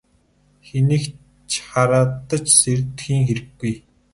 Хэнийг ч хардаж сэрдэхийн хэрэггүй.